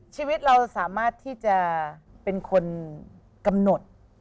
ชีวิตเราสามารถที่จะเป็นคนกำหนด